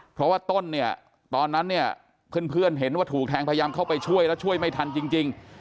เพราะว่าต้นเนี่ยตอนนั้นเนี่ยเพื่อนเห็นว่าถูกแทงพยายามเข้าไปช่วยแล้วช่วยไม่ทันจริง